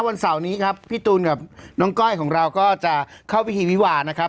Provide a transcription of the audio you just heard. วันเสาร์นี้ครับพี่ตูนกับน้องก้อยของเราก็จะเข้าพิธีวิวานะครับ